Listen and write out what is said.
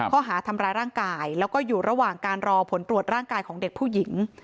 ข้อหาทำร้ายร่างกายแล้วก็อยู่ระหว่างการรอผลตรวจร่างกายของเด็กผู้หญิง